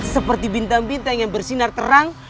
seperti bintang bintang yang bersinar terang